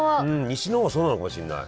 西の方はそうなのかもしれない。